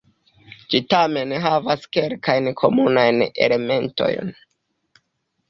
Ĝi tamen havas kelkajn komunajn elementojn.